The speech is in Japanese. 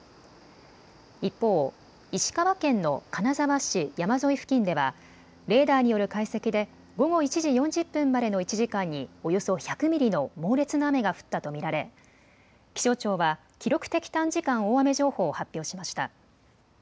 一方、石川県の金沢市山沿い付近ではレーダーによる解析で午後１時４０分までの１時間におよそ１００ミリの猛烈な雨が降ったと見られ気象庁は記録的短時間大雨情報を発表しました。